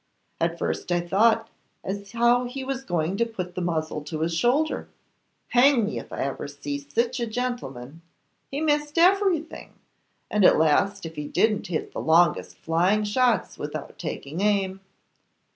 At first I thought as how he was going to put the muzzle to his shoulder. Hang me if ever I see sich a gentleman. He missed everything; and at last if he didn't hit the longest flying shots without taking aim.